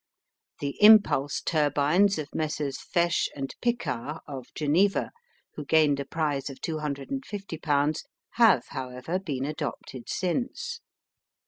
The impulse turbines of Messrs. Faesch & Piccard, of Geneva, who gained a prize of two hundred and fifty pounds, have, however, been adopted since.